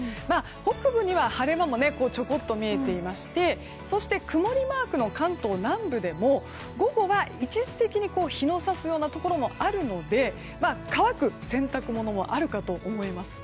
北部には晴れ間もちょこっと見えていましてそして、曇りマークの関東南部でも午後は一時的に日の差すようなところもあるので乾く洗濯物もあるかと思います。